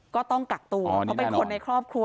ก็ต้องกักตัวเพราะเป็นคนในครอบครัว